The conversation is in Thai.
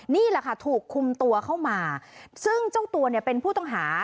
นี่แหละค่ะถูกคุมตัวเข้ามาซึ่งเจ้าตัวเนี่ยเป็นผู้ต้องหา